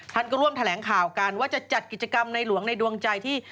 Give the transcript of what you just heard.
ท่านก็ร่วมแถลงข่าวกันว่าจะจัดกิจกรรมในหลวงในดวงใจที่